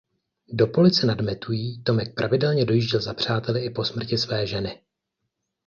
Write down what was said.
Do Police nad Metují Tomek pravidelně dojížděl za přáteli i po smrti své ženy.